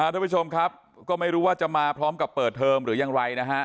ทุกผู้ชมครับก็ไม่รู้ว่าจะมาพร้อมกับเปิดเทอมหรือยังไรนะฮะ